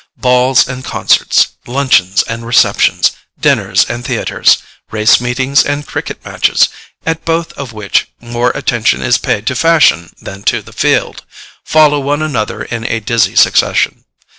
Balls and concerts, luncheons and receptions, dinners and theatres, race meetings and cricket matches, at both of which more attention is paid to fashion than to the field, follow one another in a dizzy succession.